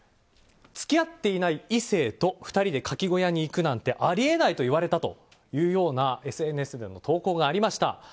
付き合っていない異性と２人でかき小屋に行くなんてあり得ないと言われたというＳＮＳでの投稿がありました。